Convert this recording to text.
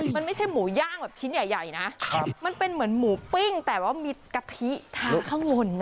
มันไม่ใช่หมูย่างแบบชิ้นใหญ่นะมันเป็นเหมือนหมูปิ้งแต่ว่ามีกะทิทานข้างบนนะ